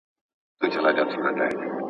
تر ماښام پوري به ټول کارونه خلاص سي.